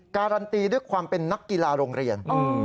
การันตีด้วยความเป็นนักกีฬาโรงเรียน